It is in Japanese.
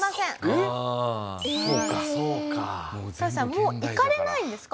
もう行かれないんですか？